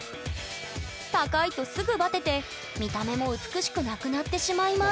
高いとすぐバテて見た目も美しくなくなってしまいます